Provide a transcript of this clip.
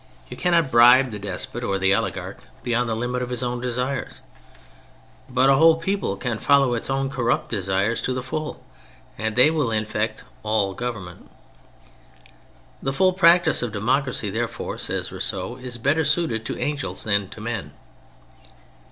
You cannot bribe the despot or the oligarch beyond the limit of his desires, but a whole people can follow its own corrupt desires to the full, and they will infect all government. The full practice of democracy, therefore, says Rousseau, is better suited to angels than to men.